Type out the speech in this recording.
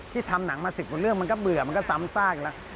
ทำหนังมา๑๐กว่าเรื่องมันก็เบื่อมันก็ซ้ำซากอยู่แล้ว